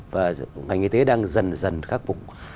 và ngành y tế đang dần dần khắc phục